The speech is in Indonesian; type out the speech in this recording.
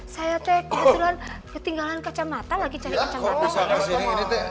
saya tuh ketinggalan kacamata lagi cari kacamata